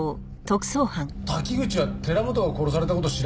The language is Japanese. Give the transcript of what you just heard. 滝口は寺本が殺された事知らないんですか？